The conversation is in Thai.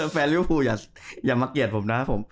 แฟนริวภูอย่ามาเกลียดผมนะผม